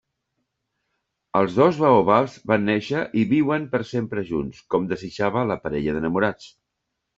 Els dos baobabs van néixer i viuen per sempre junts, com desitjava la parella d'enamorats.